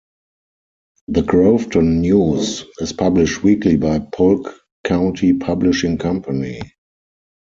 The "Groveton News" is published weekly by Polk County Publishing Company.